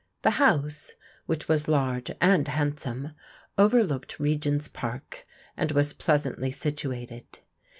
The house, which was large and handsome^ overlooked Regent's Park, and was pleasantly situated.